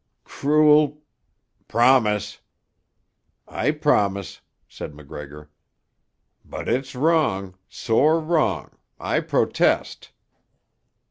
"Cruel——" "Promise!" "I promise," said MacGregor. "But it's wrong, sore wrong. I protest."